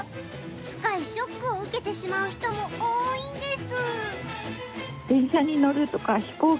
深いショックを受けてしまう人も多いんです。